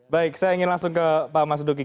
baik saya ingin langsung ke pak mas duki